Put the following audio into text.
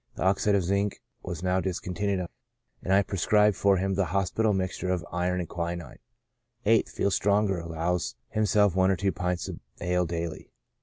The oxide of zinc was now discontinued, and I prescribed for him the hospital mixture of iron and quinine. 8th. — Feels stronger, allows himself one or two pints of ale daily.